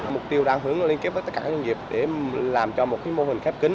mục tiêu đang hướng là liên kết với tất cả các doanh nghiệp để làm cho một mô hình khép kính